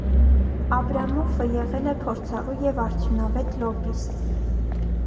Աբրամոֆը եղել է փորձառու ու արդյունավետ լոբբիստ։